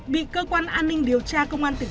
bị cơ quan an ninh điều tra công an tỉnh